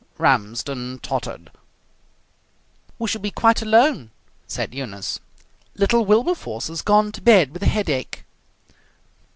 Ramsden tottered. "We shall be quite alone," said Eunice. "Little Wilberforce has gone to bed with a headache."